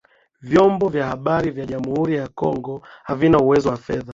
Vyombo vya habari vya jamhuri ya kongo havina uwezo wa fedha